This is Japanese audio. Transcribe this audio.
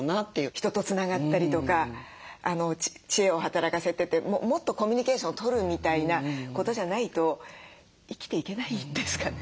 人とつながったりとか知恵を働かせてもっとコミュニケーションをとるみたいなことじゃないと生きていけないんですかね？